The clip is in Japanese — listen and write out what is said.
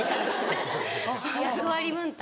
役割分担。